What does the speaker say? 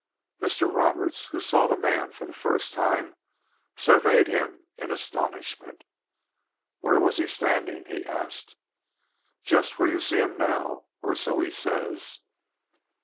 Mr. Roberts, who saw the man for the first time, surveyed him in astonishment. "Where was he standing?" he asked. "Just where you see him now or so he says."